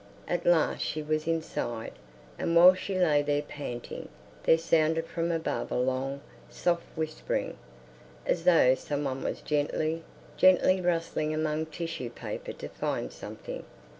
At last she was inside, and while she lay there panting, there sounded from above a long, soft whispering, as though some one was gently, gently rustling among tissue paper to find something.